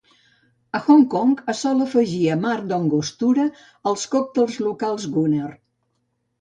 A Hong Kong, es sol afegir amarg d'Angostura als còctels locals Gunner.